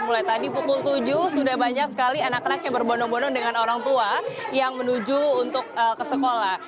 mulai tadi pukul tujuh sudah banyak sekali anak anak yang berbondong bondong dengan orang tua yang menuju untuk ke sekolah